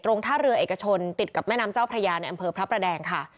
ท่าเรือเอกชนติดกับแม่น้ำเจ้าพระยาในอำเภอพระประแดงค่ะ